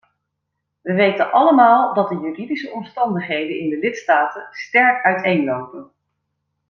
We weten allemaal dat de juridische omstandigheden in de lidstaten sterk uiteenlopen.